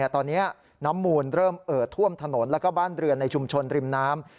ตอนนี้น้ำมูลเริ่มเอ่อท่วมถนนแล้วก็บ้านเรือนในชุมชนริมน้ำ